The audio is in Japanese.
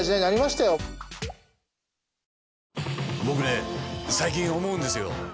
僕ね最近思うんですよ。